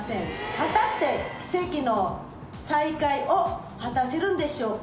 果たして奇跡の再会を果たせるんでしょうか？